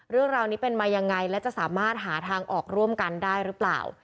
เรื่องราวนี้เป็นมายังไงและจะสามารถหาทางออกร่วมกันได้หรือเปล่า